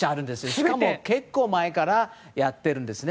しかも結構、前からやっているんですね。